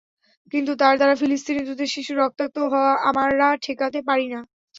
কিন্তু তার দ্বারা ফিলিস্তিনি দুধের শিশুর রক্তাক্ত হওয়া আমরা ঠেকাতে পারি না।